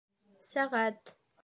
Сәғәт